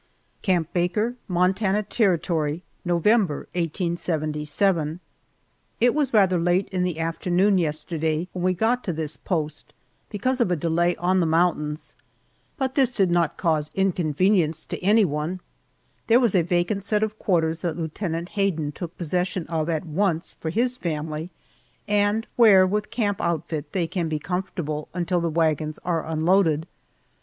CAMP BAKER, MONTANA TERRITORY, November, 1877. IT was rather late in the afternoon yesterday when we got to this post, because of a delay on the mountains. But this did not cause inconvenience to anyone there was a vacant set of quarters that Lieutenant Hayden took possession of at once for his family, and where with camp outfit they can be comfortable until the wagons are unloaded.